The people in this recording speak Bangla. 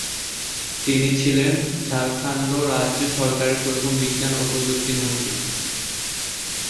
তিনি ছিলেন ঝাড়খণ্ড রাজ্য সরকারের প্রথম বিজ্ঞান ও প্রযুক্তি মন্ত্রী।